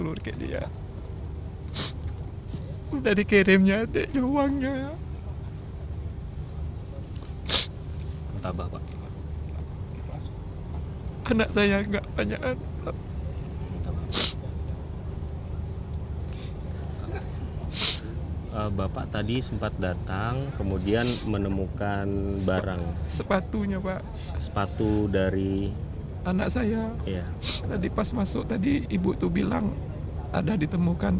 suruh beli sepatu kulit